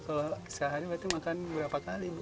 kalau sehari berarti makan berapa kali bu